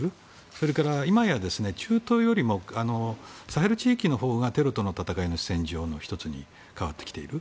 それから今や中東よりもサヘル地域のほうがテロとの戦いの戦場の１つに変わってきている。